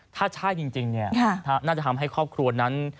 ถ้าใช่จริงน่าจะทำให้ครอบครัวนั้น